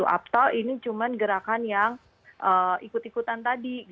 atau ini cuma gerakan yang ikut ikutan tadi